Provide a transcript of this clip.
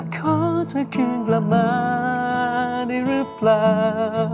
ขอเธอคืนกลับมาได้หรือเปล่า